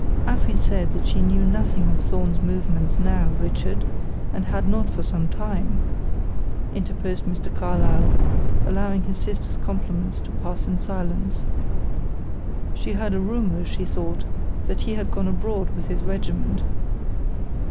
"Afy said that she knew nothing of Thorn's movements now, Richard, and had not for some time," interposed Mr. Carlyle, allowing his sister's compliments to pass in silence. "She heard a rumor, she thought, that he had gone abroad with his regiment."